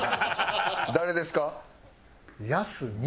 誰ですか？